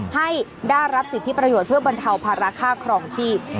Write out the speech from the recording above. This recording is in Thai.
ให้ได้รับสิทธิประโยชน์เพื่อบรรเทาภาระค่าครองชีพ